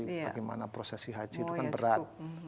bagaimana prosesi haji itu kan berat